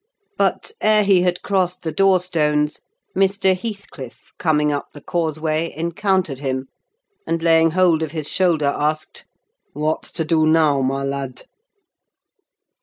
But ere he had crossed the door stones, Mr. Heathcliff, coming up the causeway, encountered him, and laying hold of his shoulder asked,—"What's to do now, my lad?"